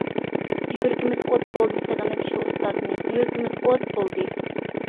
يۈرىكىمىز ئوت بولدى سېغىنىپ شۇ ئۇستازنى، يۈرىكىمىز ئوت بولدى.